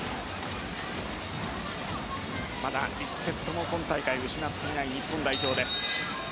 まだ１セットも今大会失っていない日本代表。